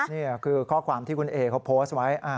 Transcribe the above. นี่คือข้อความที่คุณเอเขาโพสต์ไว้